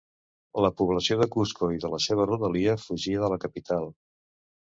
La població de Cusco i de la seva rodalia fugia de la capital.